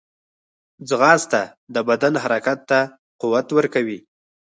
ځغاسته د بدن حرکت ته قوت ورکوي